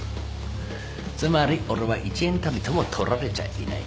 つまり俺は１円たりとも取られちゃいない。